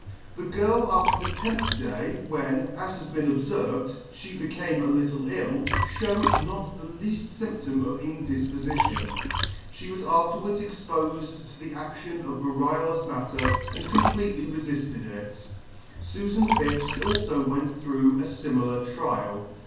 The girl after the tenth day, when, as has been obferved, fhe became a little ill, (hewed not the lead; fymptom of indifpofition. She was afterwards expofed to the aCtion of variolous matter, and completely refilled it. Sufan Phipps alfo went through a fimilar trial.